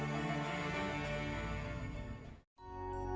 perjalanan ke wilayah semprego